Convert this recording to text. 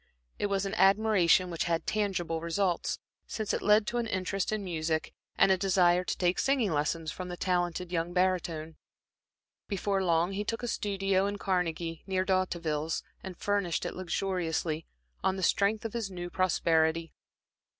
It was an admiration which had tangible results, since it led to an interest in music, and a desire to take singing lessons from the talented young barytone. Before long, he took a studio in Carnegie, near D'Hauteville's, and furnished it luxuriously, on the strength of his new prosperity.